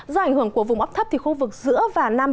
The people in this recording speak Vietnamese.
do ảnh hưởng của vùng ấp thấp khu vực giữa và nam bộ